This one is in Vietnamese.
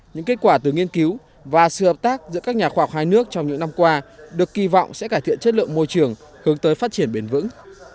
những kết quả từ nghiên cứu và sự hợp tác giữa các nhà khoa học hai nước trong những năm qua được kỳ vọng sẽ cải thiện chất lượng môi trường hướng tới phát triển bền vững